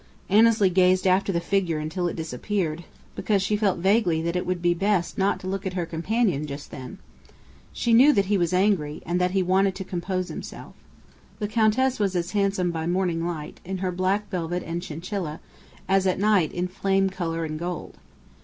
Annesley gazed after the figure until it disappeared, because she felt vaguely that it would be best not to look at her companion just then. She knew that he was angry, and that he wanted to compose himself. The Countess was as handsome by morning light, in her black velvet and chinchilla, as at night in flame colour and gold.